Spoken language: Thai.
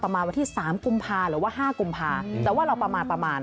ประมาณวันที่๓กุมภาพันธุ์หรือว่า๕กุมภาพันธุ์แต่ว่าเราประมาณ